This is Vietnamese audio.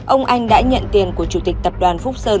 ông anh đã nhận tiền của chủ tịch tập đoàn phúc sơn